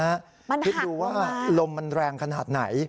มันหักมามากคิดดูว่าลมมันแรงขนาดไหน